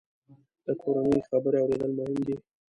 د کورنۍ خبرې اورېدل مهم دي.